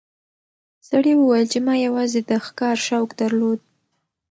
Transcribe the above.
سړي وویل چې ما یوازې د ښکار شوق درلود.